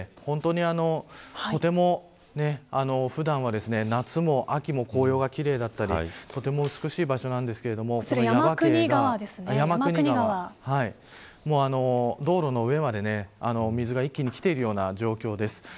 風光明媚で本当にとても普段は夏も秋も紅葉が奇麗だったりとても美しい場所なんですけど道路の上まで水が一気にきている状況です。